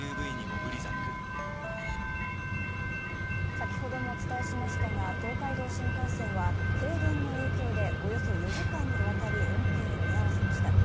先ほどもお伝えしましたが東海道新幹線は停電の影響でおよそ４時間にわたり運転を見合わせました。